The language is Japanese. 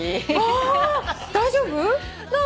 あ大丈夫？